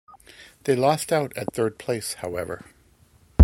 They lost out at third place however.